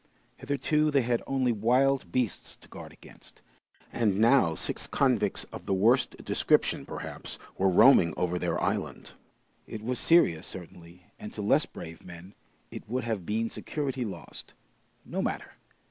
Hitherto they had only wild beasts to guard against, and now six convicts of the worst description, perhaps, were roaming over their island. It was serious, certainly, and to less brave men, it would have been security lost! No matter!